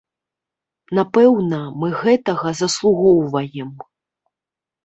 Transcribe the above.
Напэўна, мы гэтага заслугоўваем.